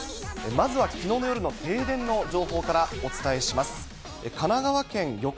まずはきのうの夜の停電の情報からお伝えします。